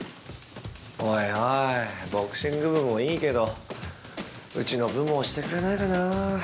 おいおいボクシング部もいいけどうちの部も推してくれないかな。